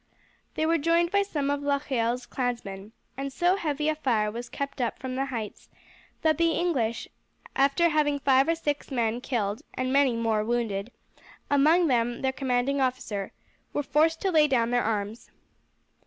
They were joined by some of Locheil's clansmen, and so heavy a fire was kept up from the heights that the English, after having five or six men killed and many more wounded, among them their commanding officer, were forced to lay down their arms.